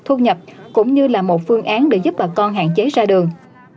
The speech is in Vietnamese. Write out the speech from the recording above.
thu nhập cũng như là một phương án để giúp bà con hạn chế ra đường